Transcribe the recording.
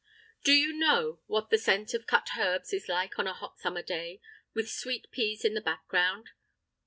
Do you know what the scent of cut herbs is like on a hot summer day, with sweet peas in the background?